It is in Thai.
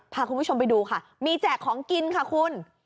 พาคุณผู้ชมไปดูค่ะมีแจกของกินค่ะคุณ